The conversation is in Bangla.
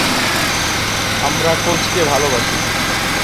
আমরা কোচকে ভালোবাসি!